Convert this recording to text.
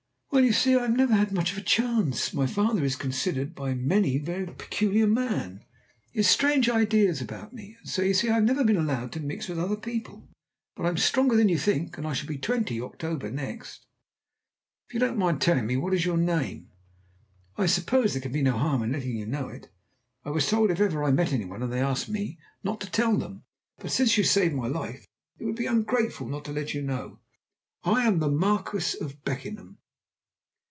"Well, you see, I've never had much chance. My father is considered by many a very peculiar man. He has strange ideas about me, and so you see I've never been allowed to mix with other people. But I'm stronger than you'd think, and I shall be twenty in October next." "If you don't mind telling me, what is your name?" "I suppose there can be no harm in letting you know it. I was told if ever I met any one and they asked me, not to tell them. But since you saved my life it would be ungrateful not to let you know. I am the Marquis of Beckenham."